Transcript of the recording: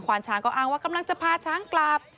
ช้างก็อ้างว่ากำลังจะพาช้างกลับ